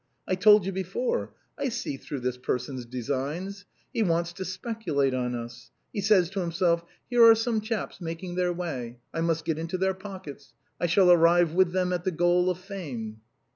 I told you before; I see through this person's designs. He wants to speculate on us. He says to himself, "' Here are some chaps making their way ; I must get into their pockets ; I shall arrive with them at the goal of fame.'